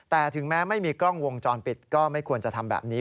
แต่ถึงแม้ไม่มีกล้องวงจรปิดก็ไม่ควรจะทำแบบนี้